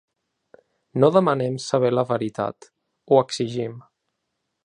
No demanem saber la veritat, ho exigim.